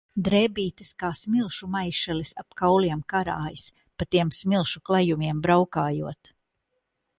Drēbītes kā smilšu maišelis ap kauliem karājas, pa tiem smilšu klajumiem braukājot.